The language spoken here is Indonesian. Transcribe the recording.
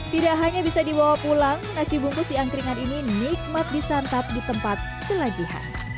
tidak hanya bisa dibawa pulang nasi bungkus di angkringan ini nikmat disantap di tempat selagihan